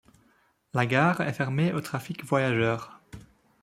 La gare est fermée au trafic voyageurs.